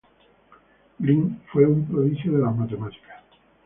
Greene fue un prodigio de las matemáticas.